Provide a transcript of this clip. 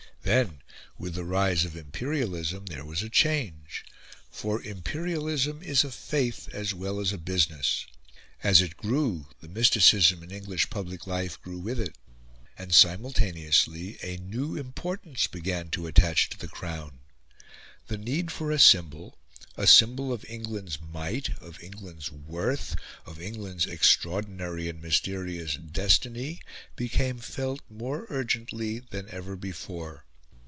Then, with the rise of imperialism, there was a change. For imperialism is a faith as well as a business; as it grew, the mysticism in English public life grew with it; and simultaneously a new importance began to attach to the Crown. The need for a symbol a symbol of England's might, of England's worth, of England's extraordinary and mysterious destiny became felt more urgently than ever before.